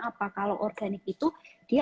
apa kalau organik itu dia